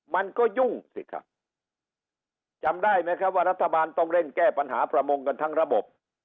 มันก็ยุ่งสิครับจำได้ไหมครับว่ารัฐบาลต้องเร่งแก้ปัญหาประมงกันทั้งระบบ